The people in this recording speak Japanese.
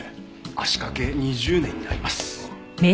足掛け２０年になります。